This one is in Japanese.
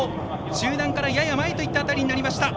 中団からやや前というところになりました。